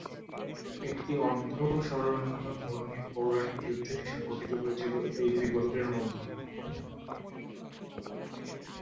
একটি অর্ধস্মরণীয় ধর্মীয় পৌরাণিক যুদ্ধে সংঘটিত হয়েছিলো এই দুই গোত্রের মধ্যে।